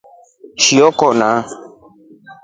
Ishoo kona.